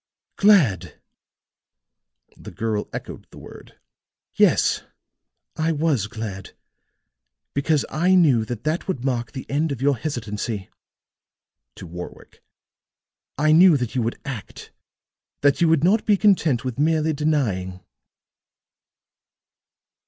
"Glad!" the girl echoed the word. "Yes, I was glad. Because I knew that that would mark the end of your hesitancy," to Warwick. "I knew that you would act that you would not be content with merely denying."